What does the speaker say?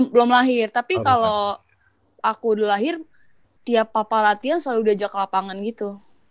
belum lahir tapi kalau aku udah lahir tiap papa latihan selalu diajak ke lapangan gitu